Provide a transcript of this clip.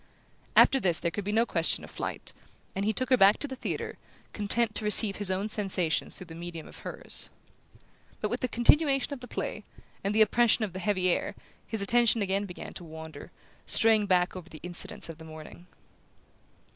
After this there could be no question of flight, and he took her back to the theatre, content to receive his own sensations through the medium of hers. But with the continuation of the play, and the oppression of the heavy air, his attention again began to wander, straying back over the incidents of the morning.